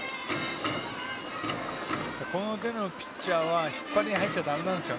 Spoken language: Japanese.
この手のピッチャーは引っ張りに入っちゃだめなんです。